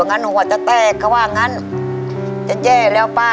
ส่วนอันวันที่เตะเพราะว่างั้นจะแย่แล้วป้า